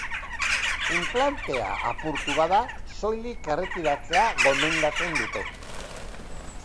Inplantea, apurtu bada soilik erretiratzea gomendatzen dute.